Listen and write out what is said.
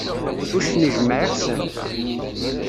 Uccen ijemmeɛ iɣessan.